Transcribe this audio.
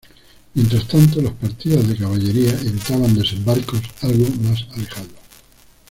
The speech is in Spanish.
Mientras tanto, las partidas de caballería evitaban desembarcos algo más alejados.